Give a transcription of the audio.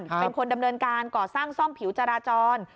เป็นคนดำเนินการก่อสร้างซ่อมผิวจราจร